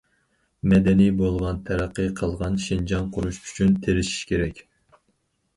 مەدەنىي بولغان، تەرەققىي قىلغان شىنجاڭ قۇرۇش ئۈچۈن تىرىشىش كېرەك.